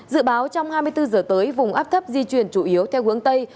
dự báo trong hai mươi bốn giờ tới vùng áp thấp di chuyển chủ yếu theo hướng tây